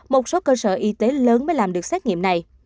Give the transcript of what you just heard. một số cơ sở y tế lớn mới làm được xét nghiệm này